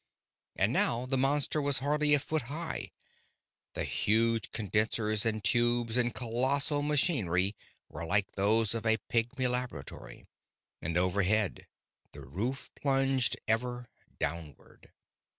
And now the monster was hardly a foot high; the huge condensers and tubes and colossal machinery were like those of a pygmy laboratory. And overhead the roof plunged ever downward.